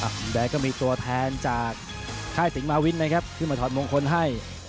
มุมแดงก็มีตัวแทนจากค่ายสิงหมาวินนะครับขึ้นมาถอดมงคลให้